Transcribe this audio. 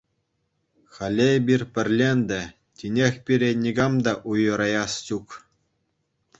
Халӗ эпир пӗрле ӗнтӗ, тинех пире никам та уйӑраяс ҫук.